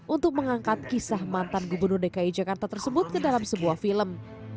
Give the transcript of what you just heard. untuk mengangkat kisah mantan gubernur dki jakarta tersebut ke dalam sebuah film